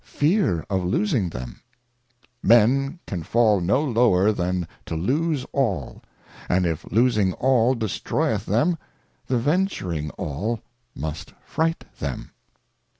fear of losing them ? Men can fall no lower than to lose all, and if losing all destroyeth them, the venturing all mnst fright them.